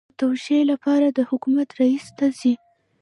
د توشیح لپاره د حکومت رئیس ته ځي.